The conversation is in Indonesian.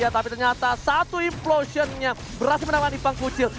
tapi ternyata satu implosionnya berhasil menemani pang kucil